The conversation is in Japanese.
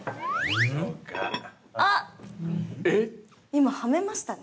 ◆今、はめました？